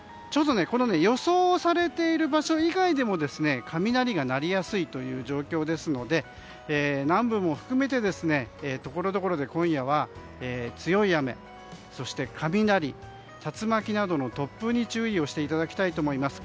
予想されている場所以外でも雷が鳴りやすい状況ですので南部も含めて、ところどころで今夜は強い雨、雷竜巻などの突風に注意をしていただきたいと思います。